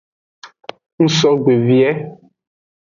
Ngsogbe vie.